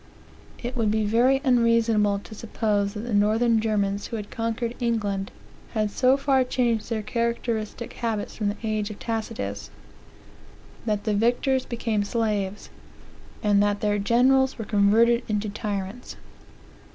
It would be very unreasonable to suppose that the northern Germans who had conquered England, had so far changed their characteristic habits from the age of Tacitus, that the victors became slaves, and that their generals were converted into tyrants."